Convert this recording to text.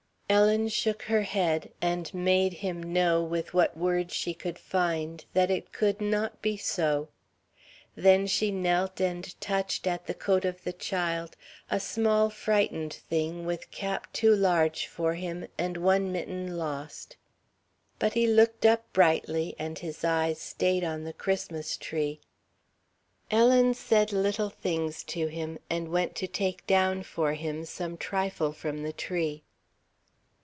Ellen shook her head, and made him know, with what words she could find, that it could not be so. Then she knelt and touched at the coat of the child, a small frightened thing, with cap too large for him and one mitten lost. But he looked up brightly, and his eyes stayed on the Christmas tree. Ellen said little things to him, and went to take down for him some trifle from the tree.